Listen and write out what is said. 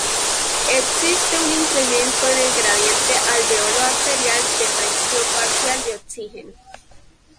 Existe un incremento en el gradiente alveolo-arterial de presión parcial de oxígeno.